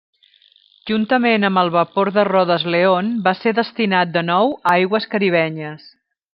Juntament amb el vapor de rodes León, va ser destinat de nou a aigües caribenyes.